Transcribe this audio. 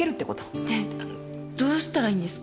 であっどうしたらいいんですか？